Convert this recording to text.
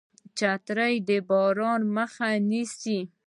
چترۍ د باران مخه نیسي